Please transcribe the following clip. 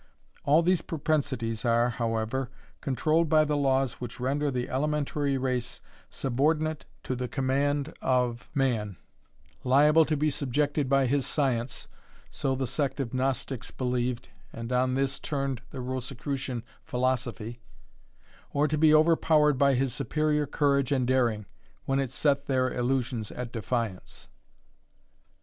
All these propensities are, however, controlled by the laws which render the elementary race subordinate to the command of man liable to be subjected by his science, (so the sect of Gnostics believed, and on this turned the Rosicrucian philosophy,) or to be overpowered by his superior courage and daring, when it set their illusions at defiance.